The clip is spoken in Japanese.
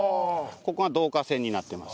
ここが導火線になってます。